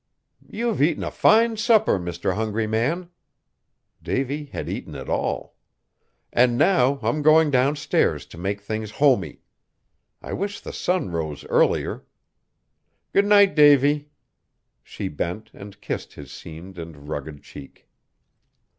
"You've eaten a fine supper, Mr. Hungry Man!" Davy had eaten it all, "and now I'm going downstairs to make things homey. I wish the sun rose earlier; good night, Davy!" She bent and kissed his seamed and rugged cheek.